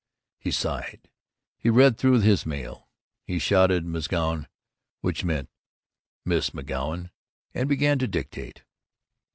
He sighed; he read through his mail; he shouted "Msgoun," which meant "Miss McGoun"; and began to dictate.